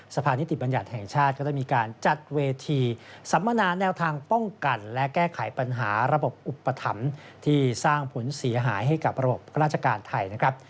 สภานิติบัญญัติแห่งชาติก็ได้มีการจัดเวทีสัมมนาแนวทางป้องกันและแก้ไขปัญหาระบบอุปถัมภ์ที่สร้างผลเสียหายให้กับระบบราชการไทยนะครับ